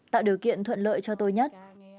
tạo điều kiện thuận lợi cho tôi nhất